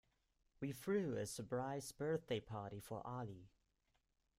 We threw a surprise birthday party for Ali.